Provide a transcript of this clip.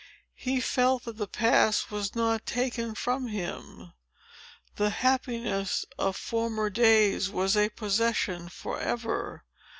He felt that the past was not taken from him. The happiness of former days was a possession forever.